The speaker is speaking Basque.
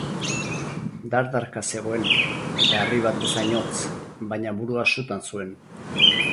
Dardarka zegoen, eta harri bat bezain hotz, baina burua sutan zuen.